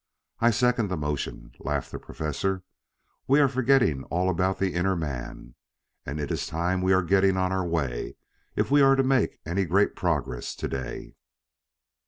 "I second the motion," laughed the Professor. "We are forgetting all about the inner man. And it is time we were getting on our way if we are to make any great progress to day."